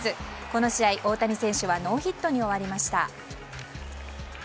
この試合、大谷選手はノーヒットに終わりました。